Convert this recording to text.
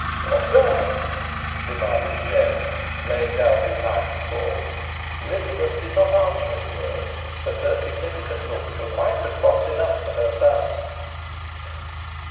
"What's that?" demanded Jem, laving down his knife and fork. Elizabeth did not answer in words, but her significant looks were quite response enough for her son.